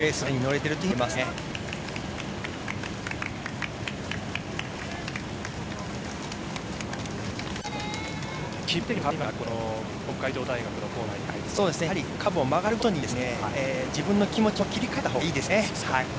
気分的にも変わりますかカーブを曲がるごとに自分の気持ちも切り替えたほうがいいですね。